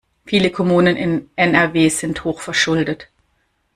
Viele Kommunen in NRW sind hochverschuldet.